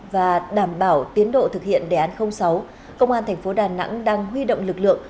và đảm bảo tiến độ thực hiện đề án sáu công an thành phố đà nẵng đang huy động lực lượng